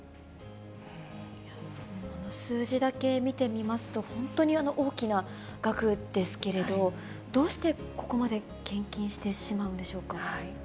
この数字だけ見てみますと、本当に大きな額ですけれど、どうしてここまで献金してしまうんでしょうか。